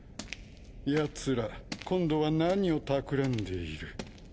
やつら今度は何を企んでいる？